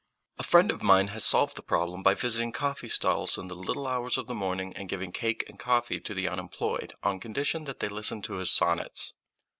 A friend of mine has solved the problem by visiting coffee stalls in the little hours of the morning, and giving cake and coffee to the unemployed on condition that they listen to his sonnets.